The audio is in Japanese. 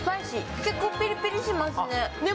結構ピリピリしますね。